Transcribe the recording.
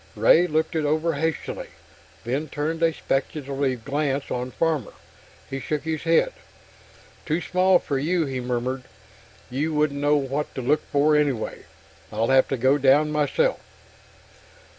Ray looked it over hastily, then turned a speculative glance on Farmer. He shook his head. "Too small for you," he murmured. "You wouldn't know what to look for anyway; I'll have to go down myself."